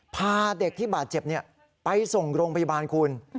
พาเด็กที่บาดเจ็บไปส่งโรงพยาบาลคุณ